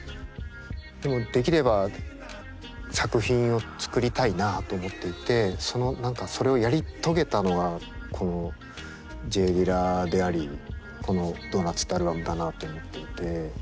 でもできれば作品を作りたいなと思っていてそれをやり遂げたのがこのＪ・ディラでありこの「Ｄｏｎｕｔｓ」ってアルバムだなと思っていて。